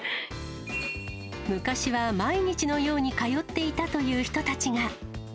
昔は毎日のように通っていたという人たちが。